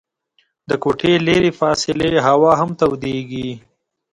د کوټې لیري فاصلې هوا هم تودیږي.